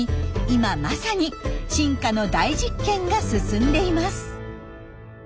今まさに進化の大実験が進んでいます。